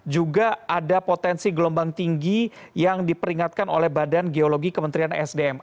juga ada potensi gelombang tinggi yang diperingatkan oleh badan geologi kementerian sdm